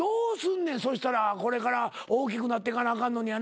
これから大きくなっていかなあかんのにやな。